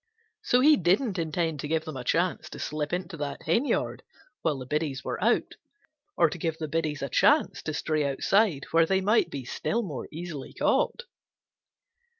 So he didn't intend to give them a chance to slip into that henyard while the biddies were out, or to give the biddies a chance to stray outside where they might be still more easily caught.